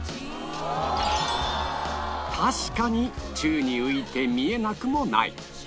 確かに宙に浮いて見えなくもない